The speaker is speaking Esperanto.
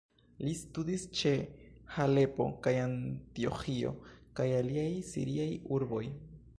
Li studis ĉe Halepo kaj Antioĥio kaj aliaj siriaj urboj.